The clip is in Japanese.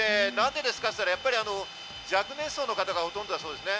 何でですかと聞いたら、若年層の方がほとんどだそうですね。